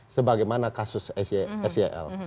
sebagaimana kasus sel